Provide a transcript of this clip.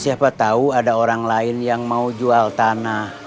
siapa tahu ada orang lain yang mau jual tanah